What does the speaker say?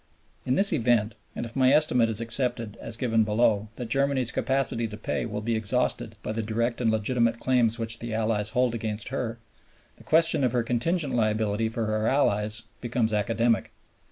In this event, and if my estimate is accepted, as given below, that Germany's capacity to pay will be exhausted by the direct and legitimate claims which the Allies hold against her, the question of her contingent liability for her allies becomes academic.